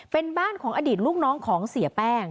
เป็นบ้านของอดีตลูกน้องของเสียแป้ง